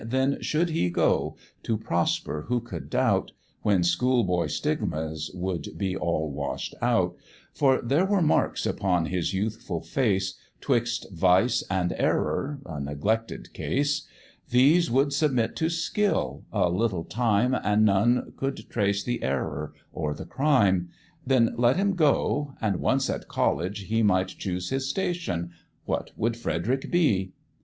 Then should he go to prosper who could doubt? When schoolboy stigmas would be all wash'd out, For there were marks upon his youthful face, 'Twixt vice and error a neglected case These would submit to skill; a little time, And none could trace the error or the crime; Then let him go, and once at college, he Might choose his station what would Frederick be.